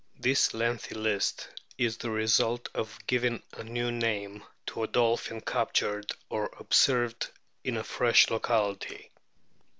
This lengthy list is the result of giving a new name to a dolphin captured or observed in a fresh locality.